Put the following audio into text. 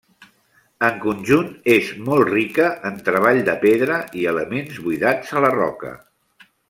En conjunt és molt rica en treball de pedra i elements buidats a la roca.